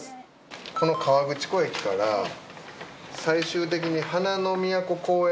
この河口湖駅から最終的に花の都公園